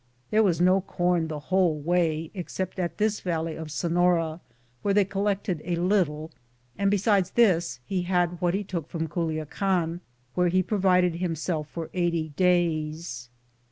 There was no corn the whole way, except at this valley of Sefiora, where they collected a little, and besides this he had what he took from Culia can, where he provided himself for eighty days.